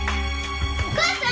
お母さん？